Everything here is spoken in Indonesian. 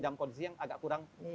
dalam kondisi yang agak kurang